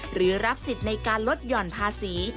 หรือรับสิทธิ์ในการลดหย่อนภาษี